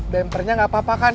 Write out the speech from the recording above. bempernya nggak apa apa kan